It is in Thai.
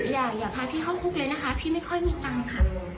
อย่าพาพี่เข้าคุกเลยนะคะพี่ไม่ค่อยมีตังค์ค่ะ